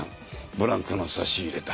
ブランクの差し入れだ。